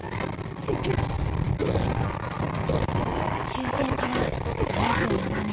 終戦から７７年。